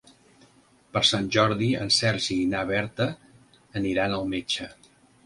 Per Sant Jordi en Sergi i na Berta aniran al metge.